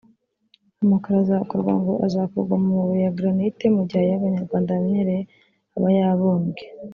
Amakaro azakorwa ngo azakorwa mu mabuye ya granite mu gihe ayo Abanyarwanda bamenyereye aba yabumbwe